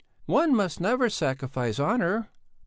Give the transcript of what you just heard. "One must never sacrifice honour."